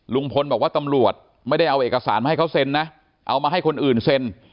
ลุงพลบอกว่าตำรวจไม่ได้เอาเอกสารมาให้เขาเซ็นนะเอามาให้คนอื่นเซ็น